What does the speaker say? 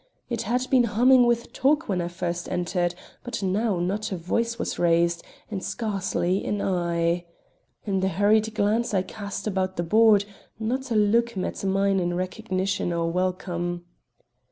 It had been humming with talk when I first entered; but now not a voice was raised, and scarcely an eye. In the hurried glance I cast about the board, not a look met mine in recognition or welcome.